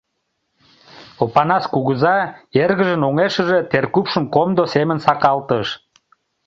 Опанас кугыза эргыжын оҥешыже теркупшым комдо семын сакалтыш.